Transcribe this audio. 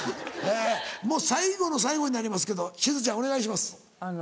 もう最後の最後になりますけどしずちゃんお願いします。